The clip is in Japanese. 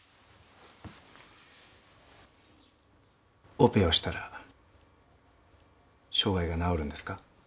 オペをしたら障害が治るんですか？